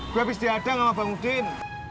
gue habis diadang sama bang udin